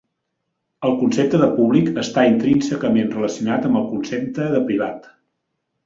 El concepte de públic està intrínsecament relacionat amb el concepte de privat.